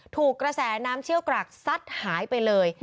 ถูกกระแสน้ำเชี่ยวกรากซัดหายไปเลย